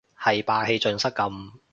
係霸氣盡失咁